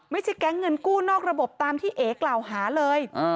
แก๊งเงินกู้นอกระบบตามที่เอ๋กล่าวหาเลย